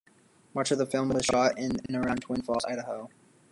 Much of the film was shot in and around Twin Falls, Idaho.